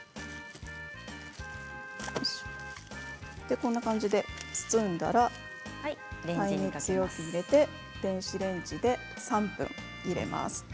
こんな感じで包んだら電子レンジ、３分入れます。